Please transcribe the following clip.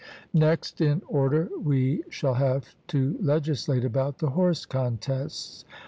Next in order we shall have to legislate about the horse contests.